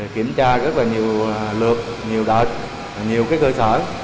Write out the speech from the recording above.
kiểm tra rất là nhiều lượt nhiều đợt nhiều cơ sở